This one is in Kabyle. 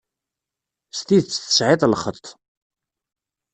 S tidet tesɛiḍ lxeṭṭ.